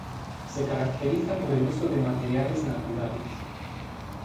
Se caracteriza por el uso de materiales naturales.